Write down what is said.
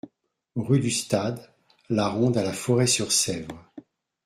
Rue du Stade . La Ronde à La Forêt-sur-Sèvre